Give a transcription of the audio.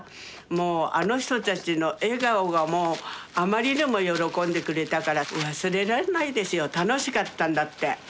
もうあの人たちの笑顔がもうあまりにも喜んでくれたから忘れられないですよ楽しかったんだって。